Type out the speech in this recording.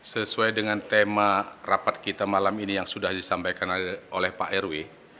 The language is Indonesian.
sesuai dengan tema rapat kita malam ini yang sudah disampaikan oleh pak rw